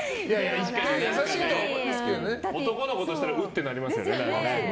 男の子としてはうってなりますよね。